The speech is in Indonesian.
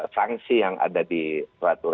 sanksi yang ada di peraturan